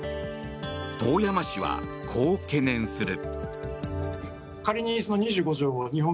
遠山氏は、こう懸念する。